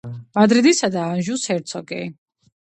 მადრიდისა და ანჟუს ჰერცოგი.